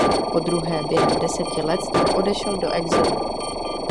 Podruhé během deseti let tak odešel do exilu.